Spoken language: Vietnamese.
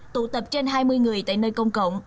tụ tập trên hai mươi người tại nơi công cộng